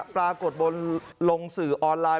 ปรากฏบนลงสื่อออนไลน์